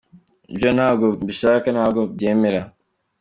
Ibyo ntabwo mbishaka nta nubwo mbyemera.